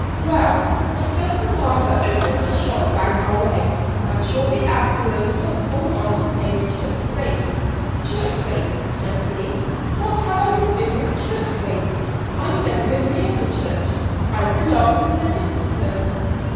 "Well, a certain barber opened a shop down our way, and shortly afterwards was called on to pay the church rates. 'Church rates,' says he, 'what have I to do with church rates? I never go near the church. I belong to the dissenters.'